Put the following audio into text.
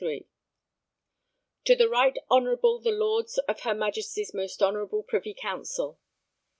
63=] To the right honourable the Lords of her Majesty's most honourable Privy Council.